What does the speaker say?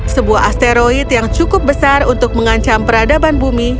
sebuah asteroid yang cukup besar untuk mengancam peradaban bumi